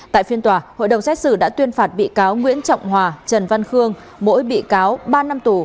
tại phiên tòa hội đồng xét xử đã tuyên phạt bị cáo nguyễn trọng hòa trần văn khương mỗi bị cáo ba năm tù